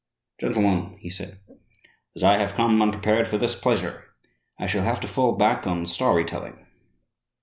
"Gentlemen," he said, "as I have come unprepared for this pleasure, I shall have to fall back on story telling.